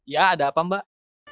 ya ada apa mbak